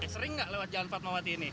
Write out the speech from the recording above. sering nggak lewat jalan fatmawati ini